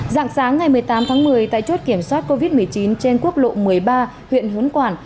dạng sáng ngày một mươi tám tháng một mươi tại chốt kiểm soát covid một mươi chín trên quốc lộ một mươi ba huyện hốn quản